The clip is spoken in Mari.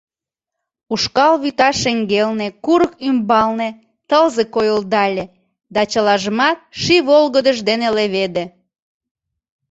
Ушкал вӱта шеҥгелне курык ӱмбалне тылзе койылдале да чылажымат ший волгыдыж дене леведе.